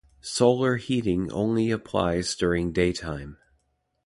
Solar heating only applies during daytime.